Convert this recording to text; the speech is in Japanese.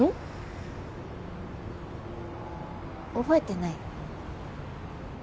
覚えてない？